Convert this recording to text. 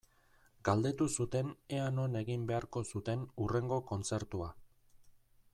Galdetu zuten ea non egin beharko zuten hurrengo kontzertua.